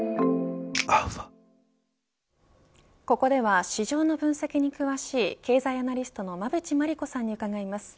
ここでは市場の分析に詳しい経済アナリストの馬渕磨理子さんに伺います。